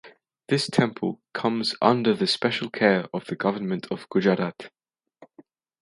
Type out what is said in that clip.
This temple comes under the special care of the Government of Gujarat.